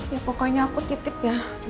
ya pokoknya aku titip ya